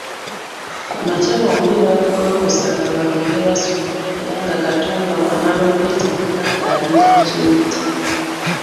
Ku makya bombi baabagolokosanga bagende basome era nga Katumba bw'amala okwetegeka ng’alinda ku Kiwutta